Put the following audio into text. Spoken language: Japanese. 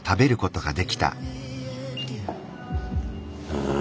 うん。